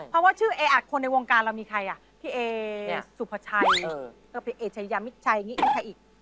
เอเชยามิชัยนี่มีใครอีก